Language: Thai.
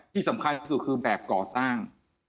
ที่สำคัญที่สุดคือแบบก่อสร้าง